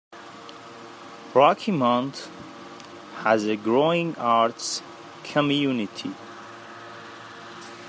Rocky Mount has a growing arts community.